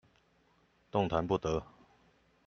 動彈不得